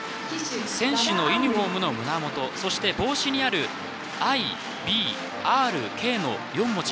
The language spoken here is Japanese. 選手のユニフォームの胸元そして帽子にある「Ｉ」「Ｂ」「Ｒ」「Ｋ」の４文字。